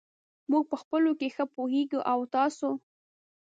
موږ په خپلو کې ښه پوهېږو. او تاسو !؟